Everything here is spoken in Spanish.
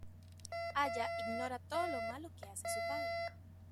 Aya ignora todo lo malo que hace su padre.